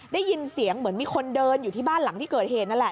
ได้ยินเสียงเหมือนมีคนเดินอยู่ที่บ้านหลังที่เกิดเหตุนั่นแหละ